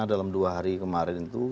dalam dua hari kemarin itu